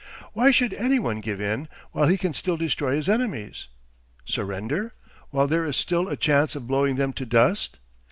Why should any one give in while he can still destroy his enemies? Surrender? While there is still a chance of blowing them to dust?